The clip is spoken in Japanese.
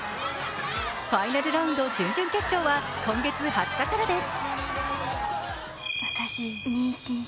ファイナルラウンド準々決勝は今日からです。